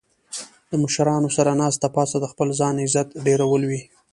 د مشرانو سره ناسته پاسته د خپل ځان عزت ډیرول وي